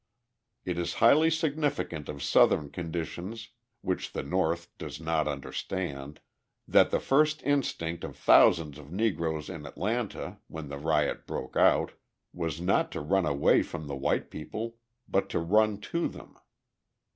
It is highly significant of Southern conditions which the North does not understand that the first instinct of thousands of Negroes in Atlanta, when the riot broke out, was not to run away from the white people but to run to them.